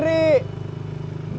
beritanya pasti udah nyebar